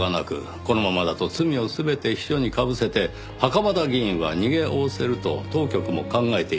このままだと罪を全て秘書にかぶせて袴田議員は逃げおおせると当局も考えていました。